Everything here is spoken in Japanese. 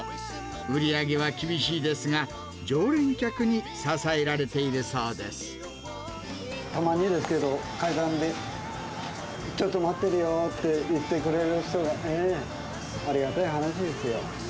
売り上げは厳しいですが、たまにですけど、階段でちょっと待ってるよーって言ってくれる人が、ありがたい話ですよ。